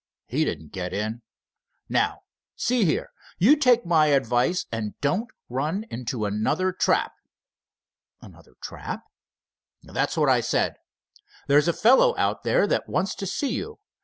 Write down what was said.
he didn't get in. Now see here, you take my advice and don't run into another trap." "Another trap?" "That's what I said. There's a fellow out there that wants to see you.